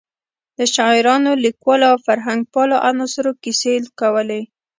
د شاعرانو، لیکوالو او فرهنګپالو عناصرو کیسې کولې.